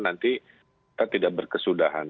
nanti kita tidak berkesudahan